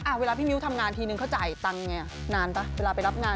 เวลาพี่มิ้วทำงานทีนึงเขาจ่ายตังค์ไงนานป่ะเวลาไปรับงาน